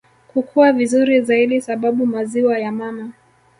kukua vizuri zaidi sababu maziwa ya mama